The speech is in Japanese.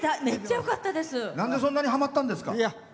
なんでそんなにはまったんですか？